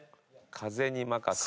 「風にまかせ！！」。